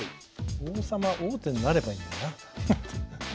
王様王手になればいいんだよな。